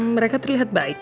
mereka terlihat baik